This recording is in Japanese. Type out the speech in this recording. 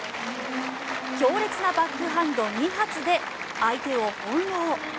強烈なバックハンド２発で相手を翻ろう。